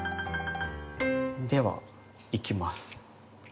ではいきます。